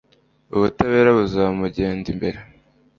ubutabera buzamugenda imbere